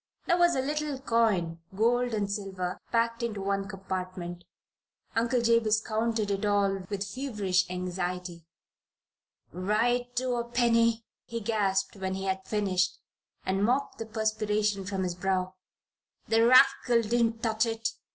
There was a little coin gold and silver packed into one compartment. Uncle Jabez counted it all with feverish anxiety. "Right to a penny!" he gasped, when he had finished, and mopped the perspiration from his brow. "The rascal didn't touch it.